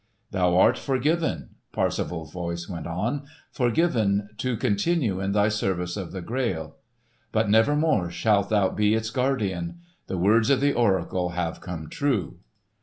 "Thou art forgiven," Parsifal's voice went on; "forgiven to continue in thy service of the Grail. But nevermore shalt thou be its Guardian. The words of the oracle have come true.